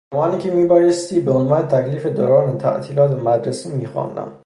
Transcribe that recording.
رمانی که میبایستی به عنوان تکلیف دوران تعطیلات مدرسه میخواندم